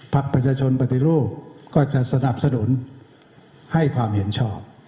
ประชาชนปฏิรูปก็จะสนับสนุนให้ความเห็นชอบ